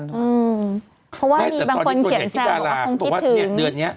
เพราะว่ามีบางคนเขียนแสวว่าคงคิดถึงแต่ตอนที่ส่วนใหญ่ที่ดาราบอกว่าเดือนนี้